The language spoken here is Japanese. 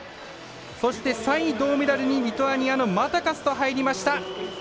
そして、３位、銅メダルにリトアニアのマタカスと入りました。